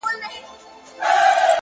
وخت د ژمنتیا اندازه ښکاره کوي